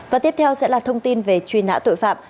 và tiếp theo sẽ là thông tin về truy nã tội phạm